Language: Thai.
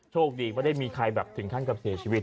โชคดีไม่ได้มีใครแบบถึงขั้นกับเสียชีวิต